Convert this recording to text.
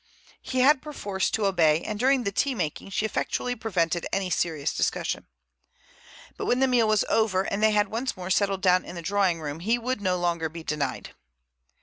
He had perforce to obey, and during the tea making she effectually prevented any serious discussion. But when the meal was over and they had once more settled down in the drawing room he would no longer be denied.